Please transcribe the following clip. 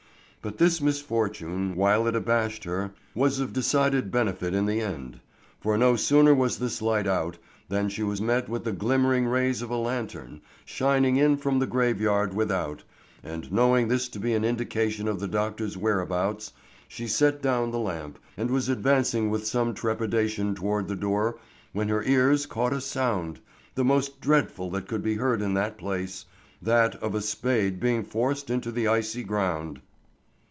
But this misfortune, while it abashed her, was of decided benefit in the end. For no sooner was this light out than she was met with the glimmering rays of a lantern, shining in from the graveyard without, and knowing this to be an indication of the doctor's whereabouts, she set down the lamp and was advancing with some trepidation toward the door when her ears caught a sound—the most dreadful that could be heard in that place—that of a spade being forced into the icy ground.